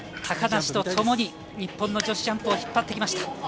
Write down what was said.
高梨とともに日本の女子ジャンプを引っ張ってきました。